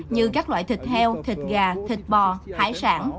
như các loại thịt heo thịt gà thịt bò hải sản